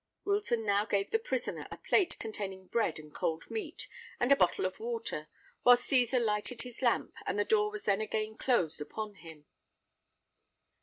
Wilton now gave the prisoner a plate containing bread and cold meat, and a bottle of water, while Cæsar lighted his lamp; and the door was then again closed upon him.